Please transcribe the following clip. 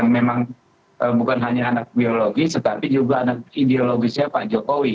memang bukan hanya anak biologis tetapi juga anak ideologisnya pak jokowi